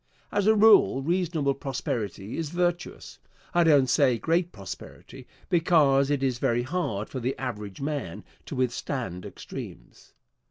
As a rule, reasonable prosperity is virtuous. I don't say great prosperity, because it is very hard for the average man to withstand extremes.